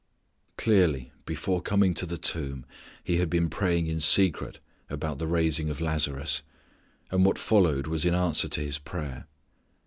Clearly before coming to the tomb He had been praying in secret about the raising of Lazarus, and what followed was in answer to His prayer.